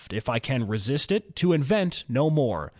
if I can resist it, to invent no more."